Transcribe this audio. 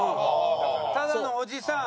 「ただのおじさん」。